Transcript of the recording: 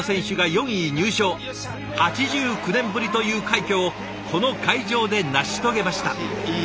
８９年ぶりという快挙をこの会場で成し遂げました。